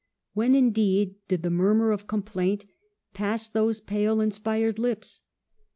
When, indeed, did the murmur of complaint pass those pale, inspired lips